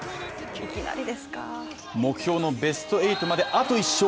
目標のベスト８まであと１勝。